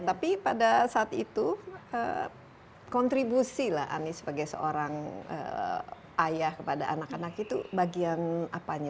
tapi pada saat itu kontribusi lah anies sebagai seorang ayah kepada anak anak itu bagian apanya